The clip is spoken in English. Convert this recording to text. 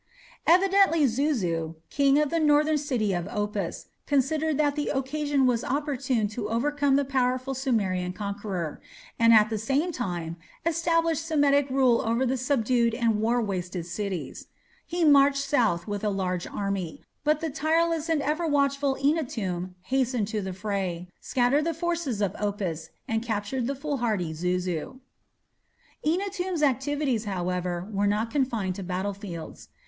Evidently Zuzu, king of the northern city of Opis, considered that the occasion was opportune to overcome the powerful Sumerian conqueror, and at the same time establish Semitic rule over the subdued and war wasted cities. He marched south with a large army, but the tireless and ever watchful Eannatum hastened to the fray, scattered the forces of Opis, and captured the foolhardy Zuzu. Eannatum's activities, however, were not confined to battlefields.